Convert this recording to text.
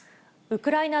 ウクライナ